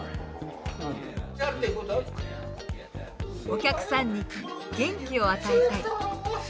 お客さんに元気を与えたい。